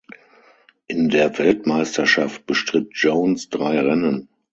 In der Weltmeisterschaft bestritt Jones drei Rennen.